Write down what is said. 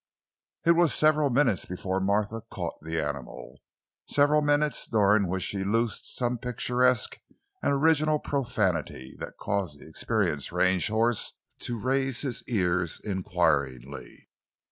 It was several minutes before Martha caught the animal—several minutes during which she loosed some picturesque and original profanity that caused the experienced range horse to raise his ears inquiringly.